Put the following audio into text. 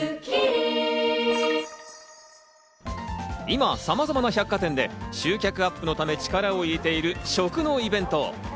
今、さまざまな百貨店で集客アップのため力を入れている食のイベント。